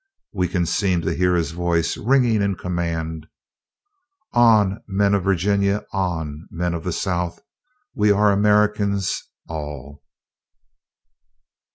We can seem to hear his voice ringing in command: "On, men of Virginia! On, men of the South! We are Americans all!"